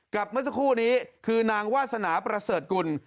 เมื่อสักครู่นี้คือนางวาสนาประเสริฐกุล